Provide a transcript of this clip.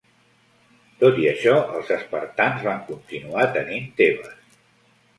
Tot i això, els espartans van continuar tenint Tebes.